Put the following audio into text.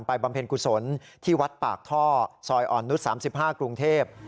บำเพ็ญกุศลที่วัดปากท่อซอยอ่อนนุษย์๓๕กรุงเทพ